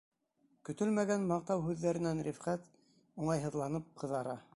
Көтөлмәгән маҡтау һүҙҙәренән Рифҡәт, уңайһыҙланып, ҡыҙара.